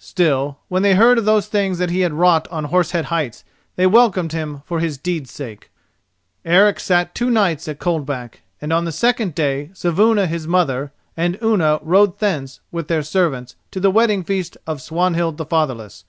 Still, when they heard of those things that he had wrought on Horse Head Heights, they welcomed him for his deed's sake. Eric sat two nights at Coldback, and on the second day Saevuna his mother and Unna rode thence with their servants to the wedding feast of Swanhild the Fatherless.